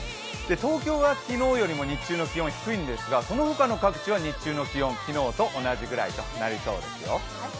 東京は昨日よりも日中の気温低いんですが、その他の各地は日中の気温、昨日と同じくらいとなりそうですよ。